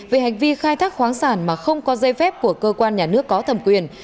về hành vi khai thác khoáng sản mà không có dây phép của cơ quan nhà nước có thẩm quyền